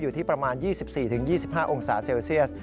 อยู่ที่ประมาณ๒๔๒๕องศาเซลเซียส